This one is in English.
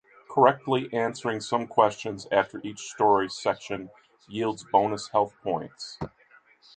Correctly answering some questions after each story section yields bonus health points.